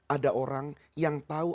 ada orang yang tahu